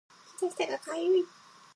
膝下が痒い